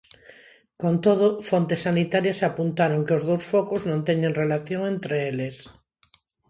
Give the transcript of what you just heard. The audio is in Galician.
Con todo, fontes sanitarias apuntaron que os dous focos non teñen relación entre eles.